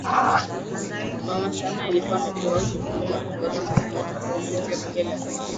Mama Samia alikuwa amepewa jukumu la kuongoza mchakato huo kupitia Bunge la Katiba